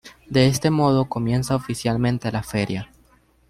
De este modo comienza oficialmente la Feria.